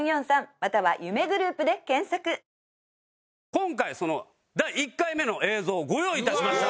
今回その第１回目の映像をご用意致しました。